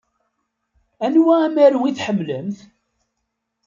Anwa amaru i tḥemmlemt?